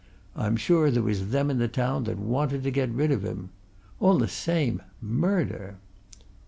I'm sure there was them in the town that wanted to get rid of him. All the same murder!"